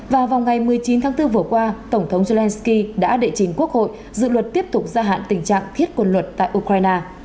và vào ngày một mươi chín tháng bốn vừa qua tổng thống zelensky đã đệ trình quốc hội dự luật tiếp tục gia hạn tình trạng thiết quân luật tại ukraine